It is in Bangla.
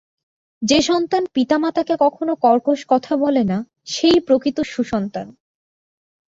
যে সন্তান পিতামাতাকে কখনও কর্কশ কথা বলে না, সেই প্রকৃত সুসন্তান।